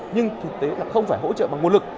nhưng thực tế là không phải hỗ trợ bằng nguồn lực